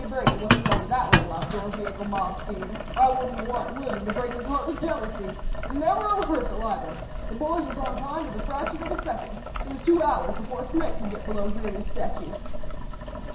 Brady wasn't onto that little outdoor vehicle mob scene. I wouldn't want William to break his heart with jealousy. And never a rehearsal, either! The boys was on time to the fraction of a second. It was two hours before a snake could get below Greeley's statue."